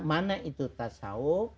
mana itu tasawuf